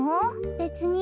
べつに。